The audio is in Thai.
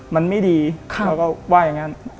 มันไม่ดีเขาก็ว่าอย่างนั้น